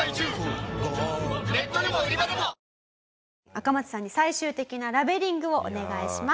アカマツさんに最終的なラベリングをお願いします。